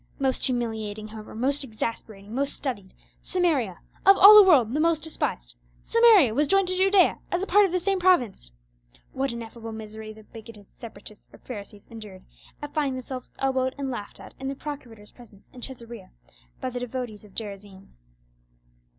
Most humiliating, however, most exasperating, most studied, Samaria, of all the world the most despised—Samaria was joined to Judea as a part of the same province! What ineffable misery the bigoted Separatists or Pharisees endured at finding themselves elbowed and laughed at in the procurator's presence in Caesarea by the devotees of Gerizim!